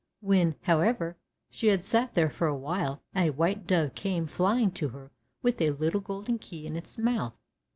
When, however, she had sat there for a while, a white dove came flying to her with a little golden key in its mouth.